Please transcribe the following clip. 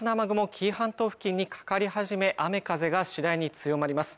紀伊半島付近にかかり始め雨風が次第に強まります